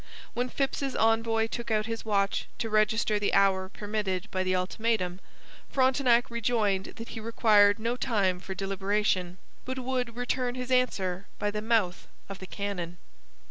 When Phips's envoy took out his watch to register the hour permitted by the ultimatum, Frontenac rejoined that he required no time for deliberation, but would return his answer by the mouth of the cannon.